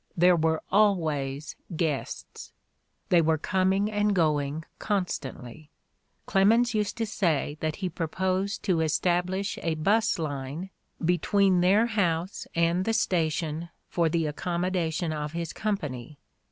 There were always guests; they were coming and going constantly. Clemens used to say that he proposed to establish a 'bus line between their house and the station for the ac commodation of his company.